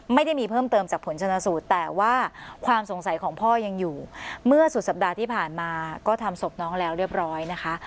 ไม่ได้มีเพิ่มเติมจากผลชนสูตรแต่ว่าความสงสัยของพ่อยังอยู่เมื่อสุดสัปดาห์ที่ผ่านมาก็ทำศพน้องแล้วเรียบร้อยนะคะ